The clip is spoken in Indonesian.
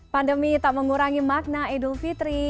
pandemi tak mengurangi makna idul fitri